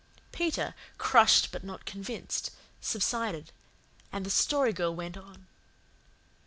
Peter, crushed but not convinced, subsided, and the Story Girl went on.